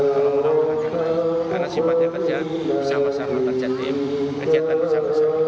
karena sifatnya kerja sama sama tercetim kejadian sama sama